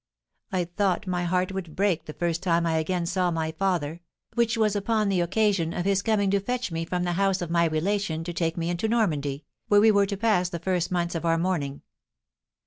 I thought my heart would break the first time I again saw my father, which was upon the occasion of his coming to fetch me from the house of my relation to take me into Normandy, where we were to pass the first months of our mourning.